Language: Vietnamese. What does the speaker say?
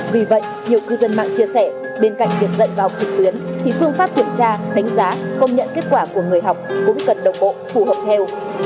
vì vậy nhiều cư dân mạng chia sẻ bên cạnh việc dạy và học trực tuyến thì phương pháp kiểm tra đánh giá công nhận kết quả của người học cũng cần đồng bộ phù hợp theo